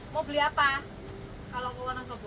mau beli apa kalau ke wonosobo